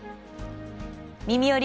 「みみより！